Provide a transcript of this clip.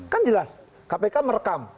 kan jelas kpk merekam